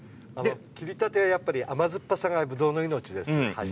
切りたてが甘酸っぱさがぶどうの命です。